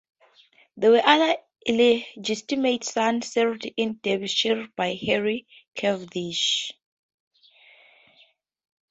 There were other illegitimate sons sired in Derbyshire by Henry Cavendish.